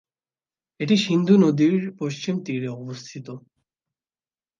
এটি সিন্ধু নদীর পশ্চিম তীরে অবস্থিত।